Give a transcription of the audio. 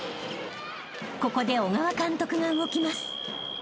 ［ここで小川監督が動きます］